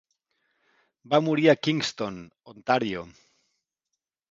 Va morir a Kingston, Ontario.